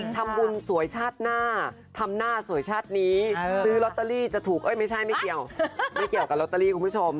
ทำบุญสวยชาติหน้าทำหน้าสวยชาตินี้ซื้อลอตเตอรี่จะถูกเอ้ยไม่ใช่ไม่เกี่ยวไม่เกี่ยวกับลอตเตอรี่คุณผู้ชม